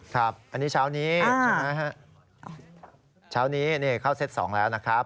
ครับอันนี้เช้านี้เช้านี้เข้าเซต๒แล้วนะครับ